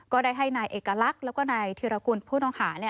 ก็ได้ให้นายเอกลักษณ์แล้วก็นายธิรกุลผู้ต้องหา